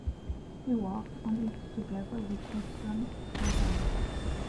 He worked on it together with his son Giovanni.